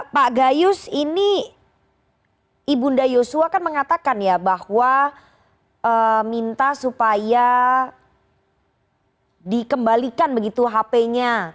pak gayus ini ibu nda yosua kan mengatakan ya bahwa minta supaya dikembalikan begitu hp nya